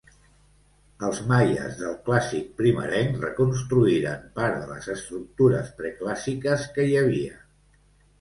Els maies del clàssic primerenc reconstruïren part de les estructures preclàssiques que hi havia.